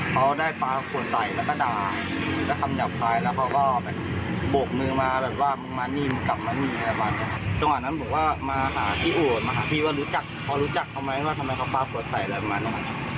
ที่อุโหลมาหาพี่ว่ารู้จักเขาไหมว่าทำไมเขาฝากขวดใส่ทำไม